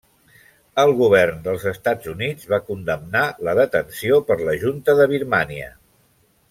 El Govern dels Estats Units va condemnar la detenció per la Junta de Birmània.